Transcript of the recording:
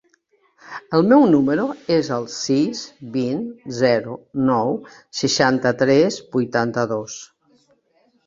El meu número es el sis, vint, zero, nou, seixanta-tres, vuitanta-dos.